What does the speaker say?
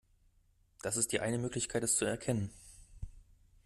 Das ist die eine Möglichkeit es zu erkennen.